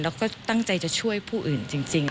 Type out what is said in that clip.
แล้วก็ตั้งใจจะช่วยผู้อื่นจริง